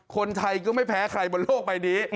คนไทยก็ไม่แพ้ใครบนโลกใบนี้